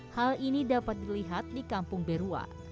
hal ini dapat dilihat di kampung berua